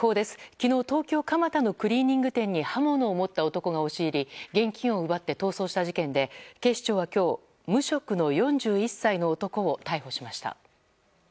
昨日、東京・蒲田のクリーニング店に刃物を持った男が押し入り現金を奪って逃走した事件で警視庁は今日、無職の４１歳の男を逮捕しました。